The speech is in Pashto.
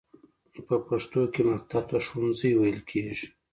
په پښتو کې مکتب ته ښوونځی ویل کیږی.